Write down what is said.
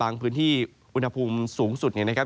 ในแต่ละพื้นที่เดี๋ยวเราไปดูกันนะครับ